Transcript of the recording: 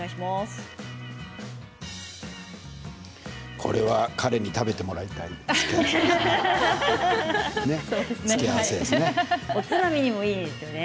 これは彼に食べてもらいたい付け合わせですね。